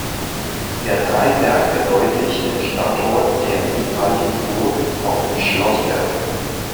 Der Dreiberg verdeutlicht den Standort der ehemaligen Burg auf dem Schlossberg.